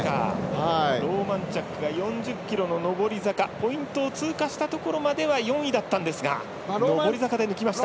ローマンチャックが４０ｋｍの上り坂ポイントを通過したところまで４位だったんですが上り坂で抜きました。